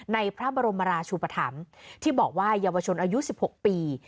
ในพระบรมราชุปธรรมที่บอกว่าเยาวชนอายุ๑๖ปี